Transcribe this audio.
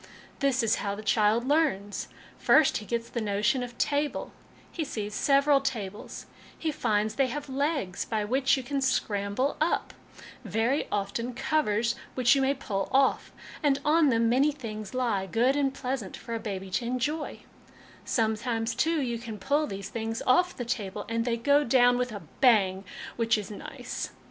This is how the child learns. First, he gets the notion of table ; he sees several tables; he finds they have legs, by which you can scramble up ; very often covers which you may pull off; and on them many things lie, good and pleasant for a baby to enjoy ; sometimes, too, you can pull these things off the table, and they go down with a bang, which is nice.